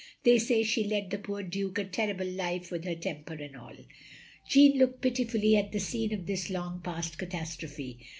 They say she led the poor Duke a terrible life with her temper and all. " Jeanne looked pitiftilly at the scene of this long past catastrophe.